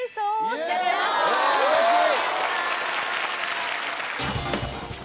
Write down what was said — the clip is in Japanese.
うれしい！